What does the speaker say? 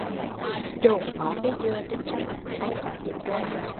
Chỗ có cây dừa trên sông hay có chết trôi